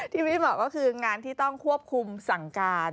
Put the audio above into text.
พี่บี๊บอกว่าคืองานที่ต้องควบคุมสั่งการ